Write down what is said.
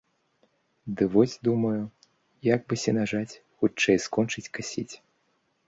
Ды вось думаю, як бы сенажаць хутчэй скончыць касіць.